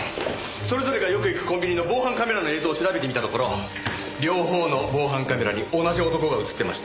それぞれがよく行くコンビニの防犯カメラの映像を調べてみたところ両方の防犯カメラに同じ男が映ってました。